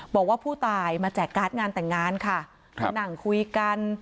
บอกว่าผู้ตายมาแจกการ์ดงานแต่งงานค่ะมานั่งคุยกัน